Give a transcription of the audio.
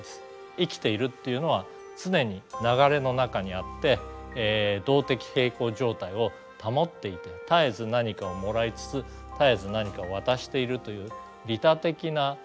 生きているっていうのは常に流れの中にあって動的平衡状態を保っていて絶えず何かをもらいつつ絶えず何かを渡しているという利他的な行為がですね